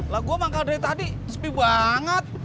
lah gue mangkal dari tadi sepi banget